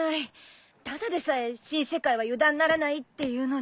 ただでさえ新世界は油断ならないっていうのに。